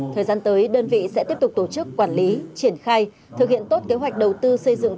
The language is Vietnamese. thời gian tới đơn vị sẽ tiếp tục tổ chức quản lý triển khai thực hiện tốt kế hoạch đầu tư xây dựng